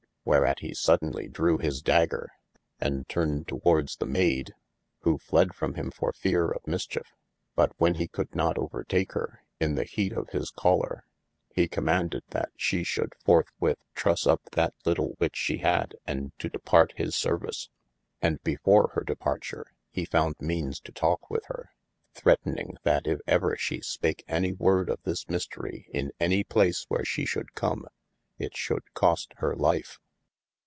Where at he sodaynely drewe his Dagger, and turned towardes the mayde, who fled from him for feare of mischiefe. But when he could not overtake hir in the heat of his coller, he commaunded that she should forth wyth trusse up that little which she had, and to departe his service. And before hir departure, he found meanes to talke with hir, threatening that if ever she spake any worde of this mistery in any place where she should come, it should cost hir life.